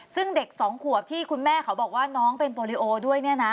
ซึ่งเด็ก๒ขวบที่คุณแม่เขาบอกว่าน้องเป็นโปรโลโอด้วย